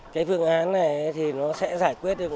cái phương án này thì nó sẽ giải quyết